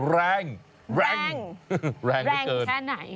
แรงแรงเหลือเกินแรงแรงแค่ไหน